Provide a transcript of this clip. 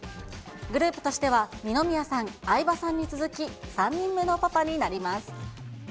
グループとしては二宮さん、相葉さんに続き、３人目のパパになります。